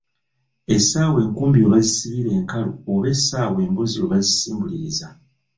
Esaawa enkumbi we bazisibira enkalu oba essaawa embuzi we bazisimbuliriza.”